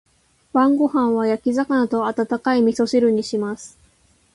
晩ご飯は焼き魚と温かい味噌汁にします。